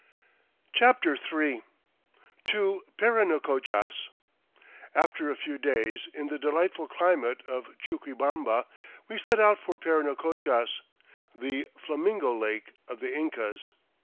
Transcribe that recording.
CHAPTER III To Parinacochas After a few days in the delightful climate of Chuquibamba we set out for Parinacochas, the "Flamingo Lake" of the Incas.